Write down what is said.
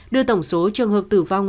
đưa tổng số trường hợp tử vong